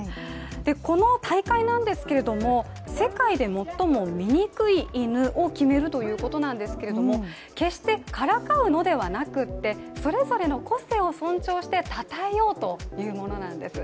この大会なんですけれども、世界で最も醜い犬を決めるということなんですけれども決してからかうのではなくてそれぞれの個性を尊重してたたえようというものなんです